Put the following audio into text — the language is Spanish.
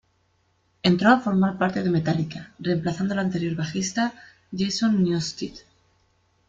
Entró a formar parte de Metallica, reemplazando al anterior bajista Jason Newsted.